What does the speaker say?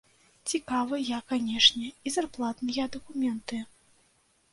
Цікавыя, канешне, і зарплатныя дакументы.